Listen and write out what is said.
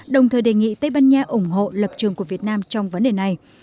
đồng thời đề nghị tây ban nha ủng hộ lập trường của việt nam trong vấn đề này